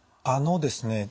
あのですね